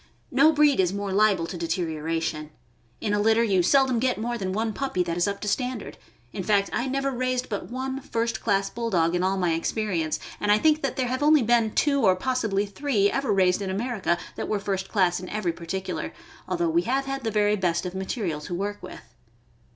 No breed is more liable to deterioration. In a litter you seldom get more than one puppy that is up to standard; in fact, I never raised but one first class Bulldog in all my experience, and I think that there have been only two, or possibly three, ever raised in America that were first class in every particular, although we have had the very best of material to work with.